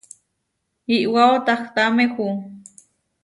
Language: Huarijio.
iʼwáo tahtámehu.